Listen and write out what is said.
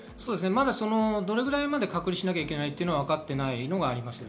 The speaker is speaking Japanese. どれぐらいまで隔離しなきゃいけないのは、わかっていないのがあります。